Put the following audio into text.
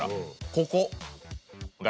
ここ。